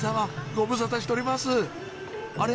ご無沙汰しておりますあれ？